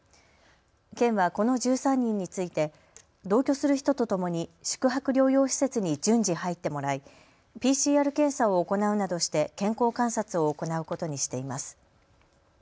県はこの１３人について同居する人とともに宿泊療養施設に順次入ってもらいＰＣＲ検査を行うなどして健康観察を行うことにしています。